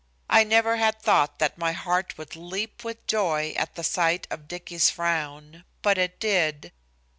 I never had thought that my heart would leap with joy at the sight of Dicky's frown, but it did.